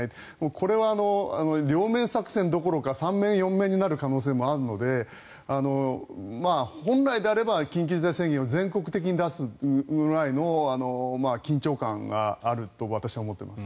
これは両面作戦どころか３面、４面になる可能性もあるので本来であれば緊急事態宣言を全国的に出すぐらいの緊張感があると私は思っています。